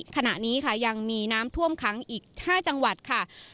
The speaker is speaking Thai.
ขณะนี้ค่ะยังมีน้ำท่วมขังอีก๕จังหวัดค่ะ